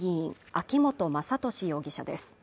秋本真利容疑者です